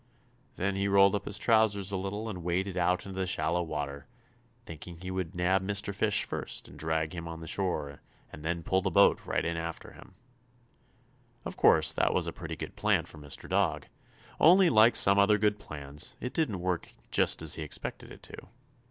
Then he rolled up his trousers a little and waded out into the shallow water, thinking he would nab Mr. Fish first and drag him out on shore, and then pull the boat right in after him. [Illustration: THE FIGHT BETWEEN MR. DOG AND THE BIG FISH.] Of course, that was a pretty good plan for Mr. Dog, only like some other good plans, it didn't work just as he expected it to.